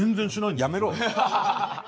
やめろ！